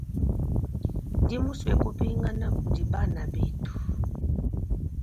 Ndimusue kuhingana kudi bana betu.